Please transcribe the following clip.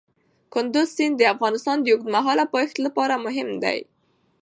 کندز سیند د افغانستان د اوږدمهاله پایښت لپاره مهم دی.